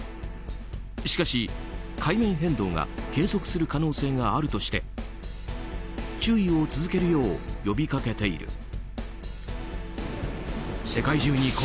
しかし、海面変動が継続する可能性があるとして注意を続けるよう呼びかけている。